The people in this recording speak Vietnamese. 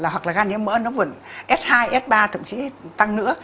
hoặc là gan nhiễm mỡ nó vẫn s hai f ba thậm chí tăng nữa